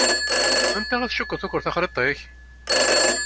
Anta i tcukkeḍ tuker taxṛiṭ-ik?